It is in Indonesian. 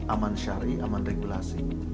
aman syariah aman regulasi